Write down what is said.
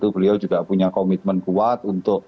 beliau juga punya komitmen kuat untuk